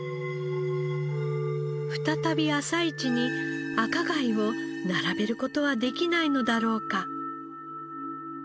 再び朝市に赤貝を並べる事はできないのだろうか？